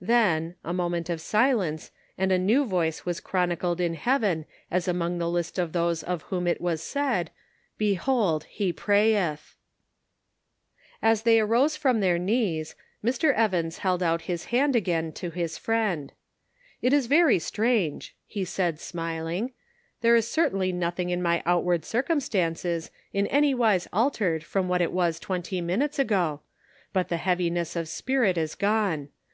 Then, a moment of silence and a new voice was chron icled in heaven as among the list of those of whom it is said, " Behold, he prayeth !" As they arose from their knees, Mr. Evans held out his hand again to his friend :" It is very strange," he said smiling, " there is Measuring Responsibility. 411 certainly nothing in my outward circumstances in any wise altered from what it was twenty minutes ago, but the heaviness of spirit is gone.